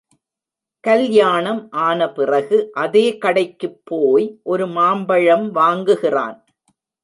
கல்யாணம் ஆன பிறகு அதே கடைக்குப் போய் ஒரு மாம்பழம் வாங்குகிறான்.